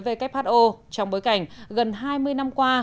who trong bối cảnh gần hai mươi năm qua